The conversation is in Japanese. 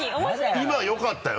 今よかったよ。